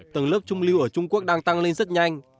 tầng lớp trung lưu ở trung quốc đang tăng lên rất nhanh